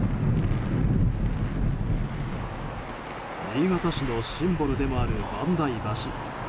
新潟市のシンボルでもある萬代橋。